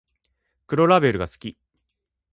黒ラベルが好き